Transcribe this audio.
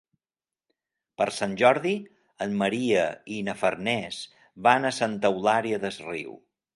Per Sant Jordi en Maria i na Farners van a Santa Eulària des Riu.